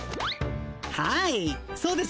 はいそうです。